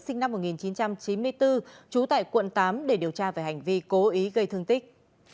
sinh năm một nghìn chín trăm chín mươi bốn trú tại quận tám để điều tra về hành vi cố ý gây thương tích